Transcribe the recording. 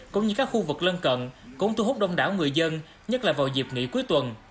cũng như các khu vực lân cận cũng thu hút đông đảo người dân nhất là vào dịp nghỉ cuối tuần